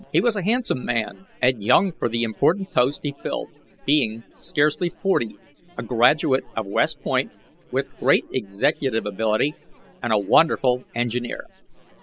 He was a handsome man, and young for the important post he filled being scarcely forty a graduate of West Point, with great executive ability, and a wonderful engineer.